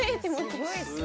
すごいっすね。